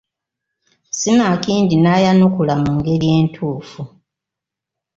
Sinakindi n’atayanukula mu ngeri entuufu.